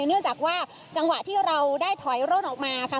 เนื่องจากว่าจังหวะที่เราได้ถอยร่นออกมาค่ะ